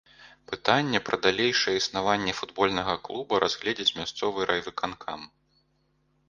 Пытанне пра далейшае існаванне футбольнага клуба разгледзіць мясцовы райвыканкам.